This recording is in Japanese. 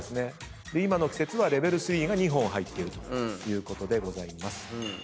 今の季節はレベル３が２本入っているということです。